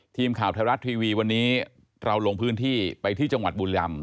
ทีมข่าวไทยรัฐทีวีวันนี้เราลงพื้นที่ไปที่จังหวัดบุรีรำ